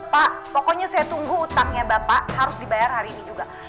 pak pokoknya saya tunggu utangnya bapak harus dibayar hari ini juga